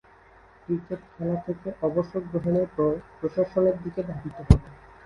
Cricket খেলা থেকে অবসর গ্রহণের পর প্রশাসনের দিকে ধাবিত হন।